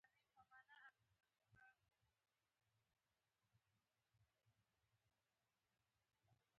هغه یې د کابل د امیر په حیث په رسمیت وپېژانده.